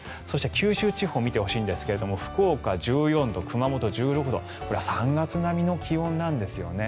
そして、九州地方を見ていただきたいんですが福岡１４度、熊本１６度これは３月並みの気温なんです。